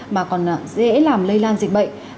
mà còn dễ làm lây lan dịch bệnh